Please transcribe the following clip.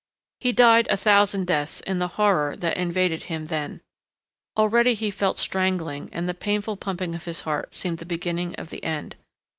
He died a thousand deaths in the horror that invaded him then. Already he felt strangling, and the painful pumping of his heart seemed the beginning of the end.